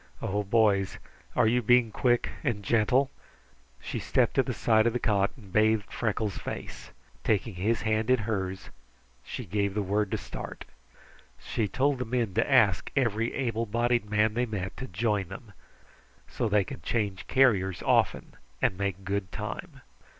Oh boys, are you being quick and gentle?" She stepped to the side of the cot and bathed Freckles' face. Taking his hand in hers, she gave the word to start. She told the men to ask every able bodied man they met to join them so that they could change carriers often and make good time.